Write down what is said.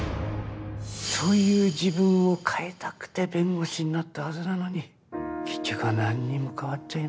そういう自分を変えたくて弁護士になったはずなのに結局は何にも変わっちゃいなかった。